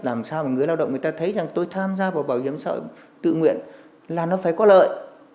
làm sao mà người lao động người ta thấy rằng tôi tham gia vào bảo hiểm xã hội tự nguyện là nó phải có lợi